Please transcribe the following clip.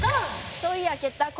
そういやけったこ